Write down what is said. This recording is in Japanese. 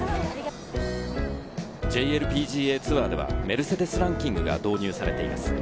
ＪＬＰＧＡツアーではメルセデス・ランキングが導入されています。